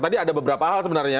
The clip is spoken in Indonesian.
tadi ada beberapa hal sebenarnya